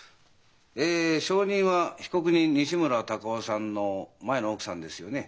え証人は被告人西村鷹男さんの前の奥さんですよね？